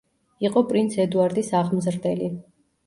იყო პრინც ედუარდის აღმზრდელი.